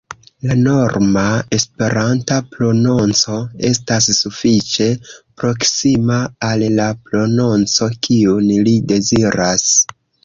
La norma Esperanta prononco estas sufiĉe proksima al la prononco kiun li deziras.